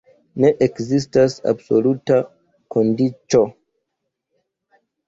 Ne ekzistas absoluta kondiĉo.